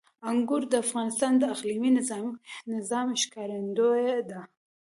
انګور د افغانستان د اقلیمي نظام ښکارندوی ده.